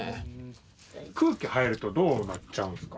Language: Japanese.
空気入るとどうなっちゃうんですか？